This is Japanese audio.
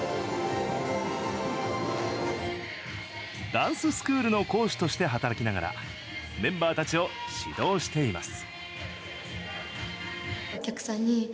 ダンススクールの講師として働きながらメンバーたちを指導しています。